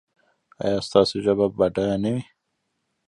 ایا ستاسو ژبه به بډایه نه وي؟